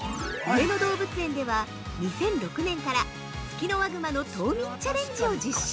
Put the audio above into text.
◆上野動物園では２００６年からツキノワグマの冬眠チャレンジを実施。